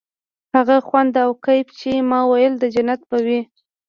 هغه خوند او کيف چې ما ويل د جنت به وي.